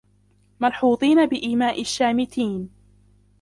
مَلْحُوظِينَ بِإِيمَاءِ الشَّامِتِينَ